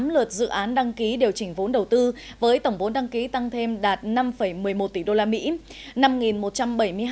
bảy trăm chín mươi tám lượt dự án đăng ký điều chỉnh vốn đầu tư với tổng vốn đăng ký tăng thêm đạt năm một mươi một tỷ đô la mỹ